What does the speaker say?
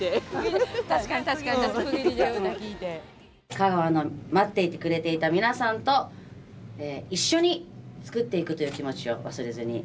香川の待っていてくれていた皆さんと一緒に作っていくという気持ちを忘れずに。